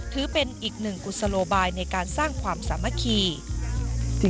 ถือเป็นอีกหนึ่งกุศโลบายในการสร้างความสามัคคี